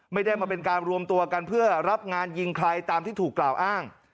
ไม่ได้มาเป็นการรวมตัวกันเพื่อรับงานยิงใครตามที่ถูกกล่าวอ้าง